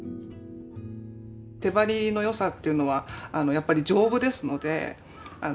手貼りの良さっていうのはやっぱり丈夫ですので。